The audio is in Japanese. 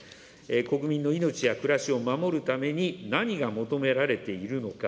国民の命や暮らしを守るために何が求められているのか。